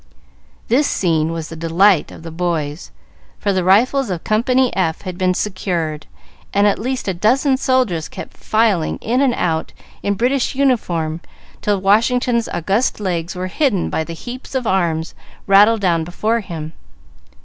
This scene was the delight of the boys, for the rifles of Company F had been secured, and at least a dozen soldiers kept filing in and out in British uniform till Washington's august legs were hidden by the heaps of arms rattled down before him.